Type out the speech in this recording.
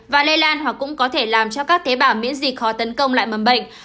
và lây lan hoặc cũng có thể làm cho các tế bào miễn dịch khó tấn công lại mầm bệnh